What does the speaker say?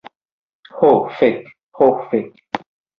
Ho fek. Ho fek.